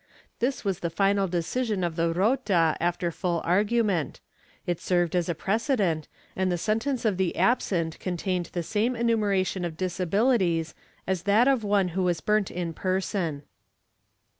This was the final decision of the Rota after full argument; it served as a pre cedent, and the sentence of the absent contained the same enumera tion of disabilities as that of one who was burnt in person.